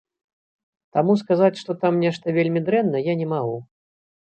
Таму сказаць, што там нешта вельмі дрэнна, я не магу.